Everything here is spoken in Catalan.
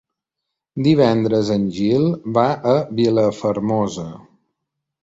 Divendres en Gil va a Vilafermosa.